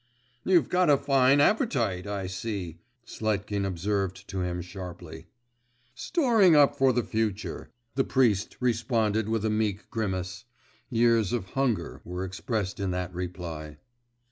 'You've got a fine appetite, I see,' Sletkin observed to him sharply. 'Storing up for the future,' the priest responded with a meek grimace; years of hunger were expressed in that reply.